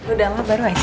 udah mama baru aja